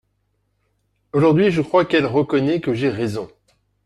Aujourd’hui, je crois qu’elle reconnaît que j’ai raison.